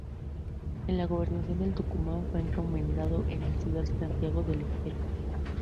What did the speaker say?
En la gobernación del Tucumán fue encomendero en la ciudad de Santiago del Estero.